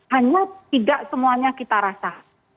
hanya tidak semuanya kita rasa